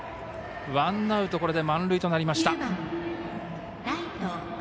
ワンアウト、これで満塁となりました。